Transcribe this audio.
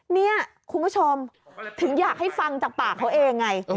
เนี่ยคุณผู้ชมถึงอยากให้ฟังจากปากเขาเองไง